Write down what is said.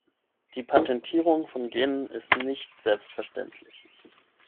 Die Patentierung von Genen ist nicht selbstverständlich.